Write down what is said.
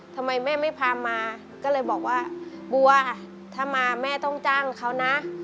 ทำไมแม่ไม่พามาก็เลยบอกว่าบัวถ้ามาแม่ต้องจ้างเขานะ